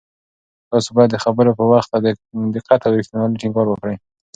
تاسو باید د خبر په دقت او رښتینولۍ ټینګار وکړئ.